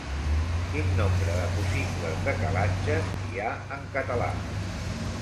Quin nombre de possibles decalatges hi ha en català?